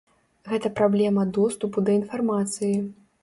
Гэта праблема доступу да інфармацыі.